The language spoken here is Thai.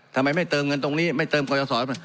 ทำไมไม่เติมเงินตรงนี้ไม่เติมกรยศร